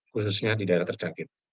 khususnya di daerah terjangkit